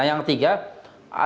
nah yang ketiga